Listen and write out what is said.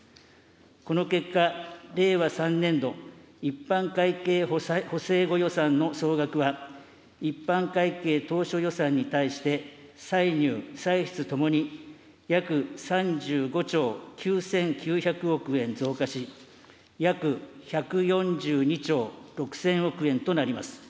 この結果、令和３年度一般会計補正後予算の総額は、一般会計当初予算に対して、歳入、歳出ともに、約３５兆９９００億円増加し、約１４２兆６０００億円となります。